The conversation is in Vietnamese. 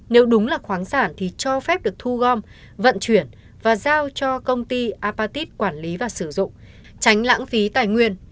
nếu đúng là khoáng sản thì cho phép được thu gom vận chuyển và giao cho công ty apatit quản lý và sử dụng tránh lãng phí tài nguyên